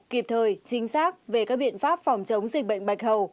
kịp thời chính xác về các biện pháp phòng chống dịch bệnh bạch hầu